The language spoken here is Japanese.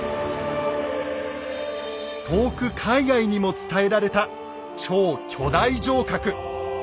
遠く海外にも伝えられた超巨大城郭。